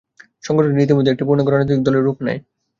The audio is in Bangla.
সংগঠনটি ইতিমধ্যে একটি পূর্ণাঙ্গ রাজনৈতিক দলের রূপ নেয়।